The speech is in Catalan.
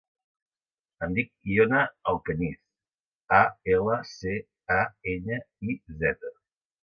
Em dic Iona Alcañiz: a, ela, ce, a, enya, i, zeta.